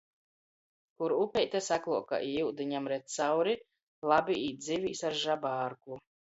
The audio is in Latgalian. Kur upeite sakluoka i iudiņam redz cauri, labi īt zivīs ar žabārklu.